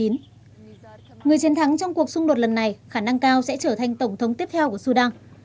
người chiến thắng trong cuộc xung đột lần này khả năng cao sẽ trở thành tổng thống tiếp theo của sudan